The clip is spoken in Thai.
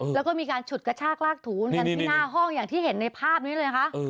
แล้วก็มีการฉุดกระชากลากถูนกันที่หน้าห้องอย่างที่เห็นในภาพนี้เลยค่ะ